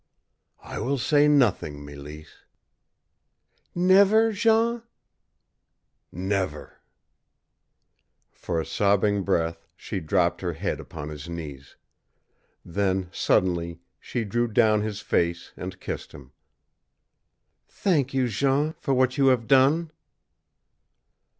"I will say nothing, Mélisse." "Never, Jean?" "Never." For a sobbing breath she dropped her head upon his knees. Then, suddenly, she drew down his face and kissed him. "Thank you, Jean, for what you have done!"